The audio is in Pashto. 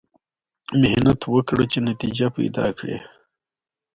بزګر ته هره حاصل خوندور وي